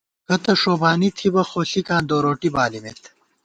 کتہ ݭوبانی تھِبہ خو ݪِکاں دوروٹی بالِمېت